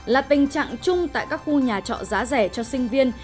là tình trạng chung tại các khu nhà trọ giá rẻ cho sinh viên